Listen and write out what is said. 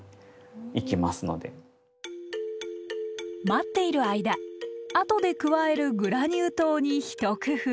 待っている間後で加えるグラニュー糖にひと工夫。